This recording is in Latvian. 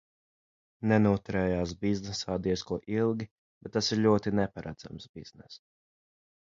Nenoturējās biznesā diez ko ilgi, bet tas ir ļoti neparedzams bizness.